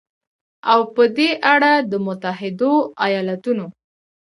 او په دې اړه د متحدو ایالتونو